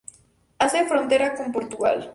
Hace frontera con Portugal.